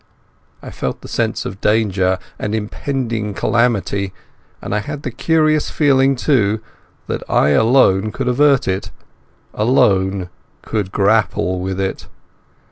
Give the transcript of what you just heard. I felt the sense of danger and impending calamity, and I had the curious feeling, too, that I alone could avert it, alone could grapple with it.